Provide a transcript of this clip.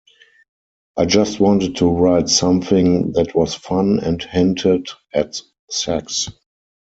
I just wanted to write something that was fun and hinted at sex.